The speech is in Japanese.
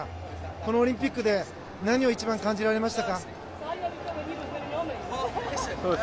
このオリンピックで何を一番感じられましたか？